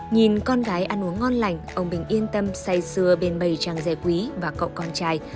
nhìn con gái ăn uống ngon lành ông bình yên tâm say xưa bên bày trang rẻ quý và cậu con trai